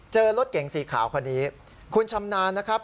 เจอรถเก๋งสีขาวคนนี้คุณชำนาญนะครับ